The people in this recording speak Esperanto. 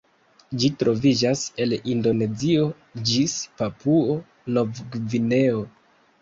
Ĝi troviĝas el Indonezio ĝis Papuo-Nov-Gvineo.